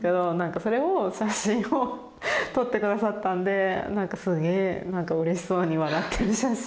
それを写真を撮って下さったんでなんかすげえなんかうれしそうに笑ってる写真が。